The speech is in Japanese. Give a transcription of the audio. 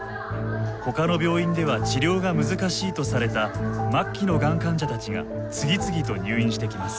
ほかの病院では治療が難しいとされた末期のがん患者たちが次々と入院してきます。